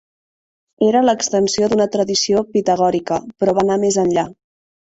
Era l'extensió d'una tradició pitagòrica però va anar més enllà.